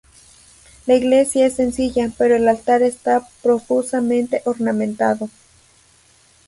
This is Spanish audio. La iglesia es sencilla, pero el altar está profusamente ornamentado.